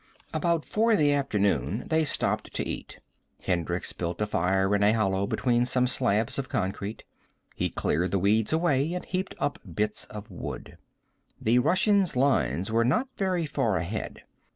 About four in the afternoon they stopped to eat. Hendricks built a fire in a hollow between some slabs of concrete. He cleared the weeds away and heaped up bits of wood. The Russians' lines were not very far ahead.